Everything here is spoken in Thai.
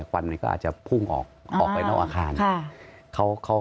ควันก็อาจจะพุ่งออกไปนอกอาคาร